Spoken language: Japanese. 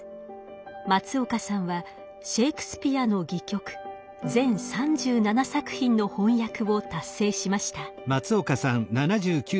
松岡さんはシェイクスピアの戯曲全３７作品の翻訳を達成しました。